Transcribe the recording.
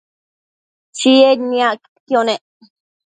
Chied niacquidquio nec